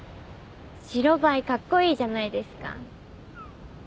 白バイカッコイイじゃないですか。